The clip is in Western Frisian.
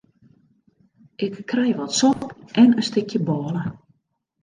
Ik krij wat sop en in stikje bôle.